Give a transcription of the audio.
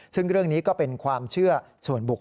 ซึ่งเรื่องนี้ก็เป็นความเชื่อส่วนบุคค